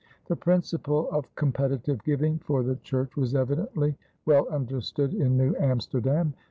The principle of competitive giving for the church was evidently well understood in New Amsterdam.